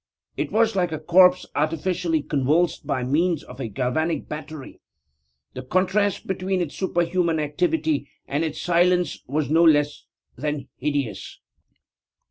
It was like a corpse artificially convulsed by means of a galvanic battery. The contrast between its superhuman activity and its silence was no less than hideous!